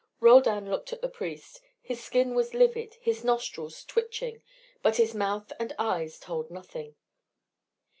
Roldan looked at the priest. His skin was livid, his nostrils twitching. But his mouth and eyes told nothing.